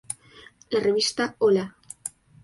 La revista ¡Hola!